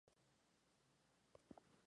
Istituto Universitario Oriental.